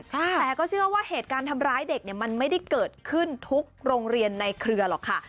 แต่ก็เชื่อว่าเหตุการณ์ทำร้ายเด็กเนี่ยมันไม่ได้เกิดขึ้นทุกโรงเรียนในเครือหรอกค่ะ